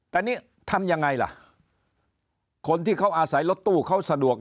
แต่นี่ทำยังไงล่ะคนที่เขาอาศัยรถตู้เขาสะดวก